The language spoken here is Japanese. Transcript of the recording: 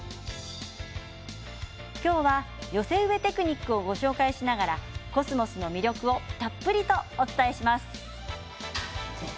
今日は、寄せ植えテクニックをご紹介しながらコスモスの魅力をたっぷりとお伝えします。